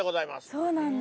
そうなんだ。